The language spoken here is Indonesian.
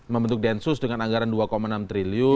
membentuk densus dengan anggaran dua enam triliun